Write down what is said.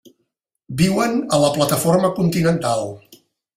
Viuen a la plataforma continental.